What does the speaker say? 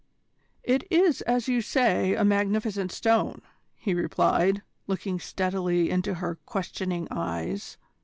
"It is, as you say, a magnificent stone," he replied, looking steadily into her questioning eyes.